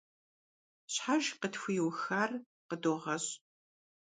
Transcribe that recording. Щхьэж къытхуиухар къыдогъэщӀ.